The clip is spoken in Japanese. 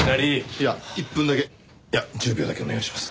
いや１分だけいや１０秒だけお願いします。